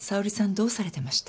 どうされてました？